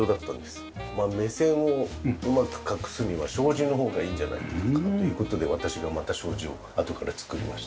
目線をうまく隠すには障子の方がいいんじゃないかという事で私がまた障子をあとから作りました。